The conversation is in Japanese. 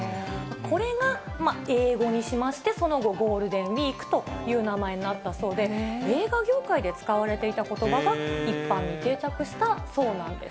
これが英語にしまして、その後、ゴールデンウィークという名前になったそうで、映画業界で使われていたことばが一般に定着したそうなんです。